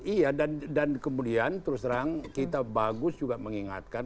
iya dan kemudian terus terang kita bagus juga mengingatkan